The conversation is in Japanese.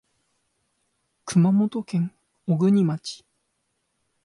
熊本県小国町